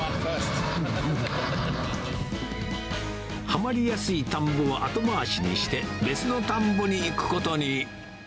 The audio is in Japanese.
はまりやすい田んぼは後回しにして、別の田んぼに行くことに。